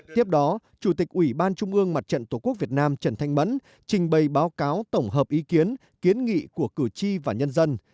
tiếp đó chủ tịch ủy ban trung ương mặt trận tổ quốc việt nam trần thanh mẫn trình bày báo cáo tổng hợp ý kiến kiến nghị của cử tri và nhân dân